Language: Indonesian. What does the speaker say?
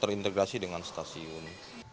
terintegrasi dengan stasiun